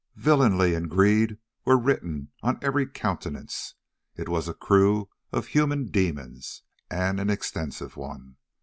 Villainy and greed were written on every countenance; it was a crew of human demons, and an extensive one.